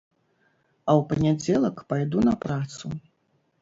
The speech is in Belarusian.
А ў панядзелак пайду на працу.